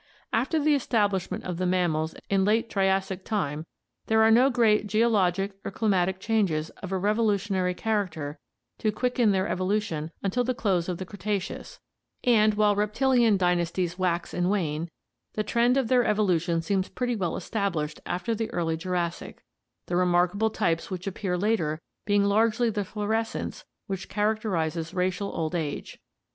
After the establishment of the mammals in late Triassic time, there are no great geologic or climatic changes of a revolu tionary character to quicken their evolution until the close of the Cretacecus and, while reptilian dynasties wax and wane, the trend of their evolution seems pretty well established after the early Jurassic, the remarkable types which appear later being largely the florescence which characterizes racial old age.